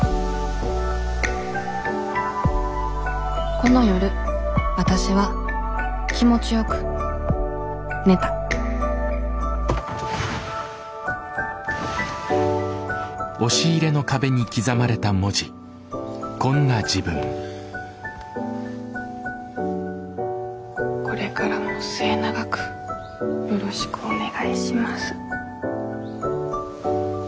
この夜わたしは気持ちよく寝たこれからも末永くよろしくお願いします。